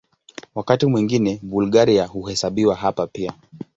Wakati mwingine Bulgaria huhesabiwa hapa pia.